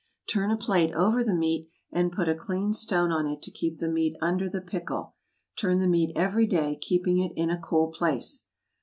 Turn a plate over the meat, and put a clean stone on it to keep the meat under the pickle; turn the meat every day, keeping it in a cool place.